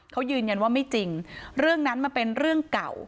เขายืนยันว่าไม่จริงเรื่องนั้นมันเป็นเรื่องเก่า